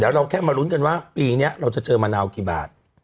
เราแค่มาลุ้นกันว่าปีนี้เราจะเจอมะนาวกี่บาท